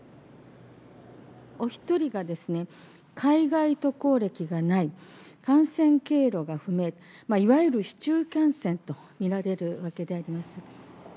お１人がですね、海外渡航歴がない、感染経路が不明、いわゆる市中感染と見られるわけであります。